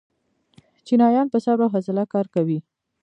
چینایان په صبر او حوصله کار کوي.